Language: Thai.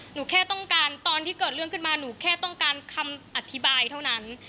หนูแค่ต้องการตอนที่เกิดเรื่องขึ้นมาหนูแค่ต้องการคำอธิบายเท่านั้น